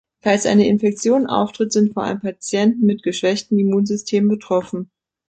Falls eine Infektion auftritt, sind vor allem Patienten mit geschwächtem Immunsystem betroffen.